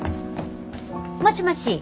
もしもし。